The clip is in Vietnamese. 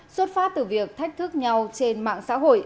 xuất phát từ việc thách thức nhau trên mạng xã hội